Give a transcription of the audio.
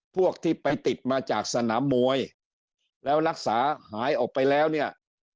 พวกที่ไปติดมาจากสนามมวยแล้วรักษาหายออกไปแล้วเนี่ย